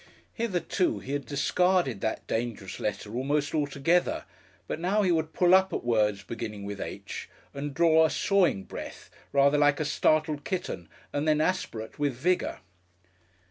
Hitherto he had discarded that dangerous letter almost altogether, but now he would pull up at words beginning with "h" and draw a sawing breath rather like a startled kitten and then aspirate with vigour.